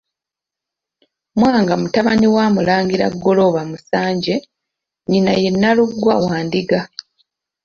MWANGA mutabani wa Mulangira Ggolooba Musanje, nnyina ye Nnalugwa wa Ndiga.